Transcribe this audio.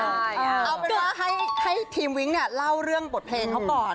เอาเป็นว่าให้ทีมวิ้งเนี่ยเล่าเรื่องบทเพลงเขาก่อน